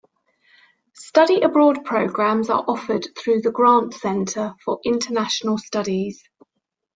Study abroad programs are offered through the Grant Center for International Studies.